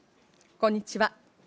こんにちは。